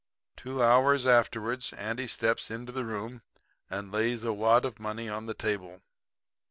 "Two hours afterwards Andy steps into the room and lays a wad of money on the table.